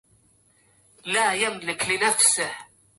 بهادر عبدي لا بهاء ولا در